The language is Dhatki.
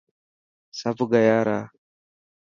سڀ گيا را.